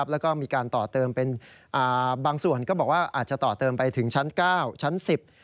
แล้วก็มีการต่อเติมเป็นอ่าบางส่วนก็บอกว่าอาจจะต่อเติมไปถึงชั้นเก้าชั้นสิบ